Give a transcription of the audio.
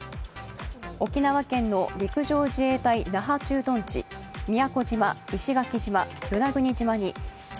沖縄県の陸上自衛隊那覇駐屯地宮古島、石垣島与那国島に地